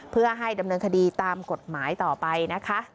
เพื่อให้ดำเนินคดีตามกฎหมายต่อไปนะคะ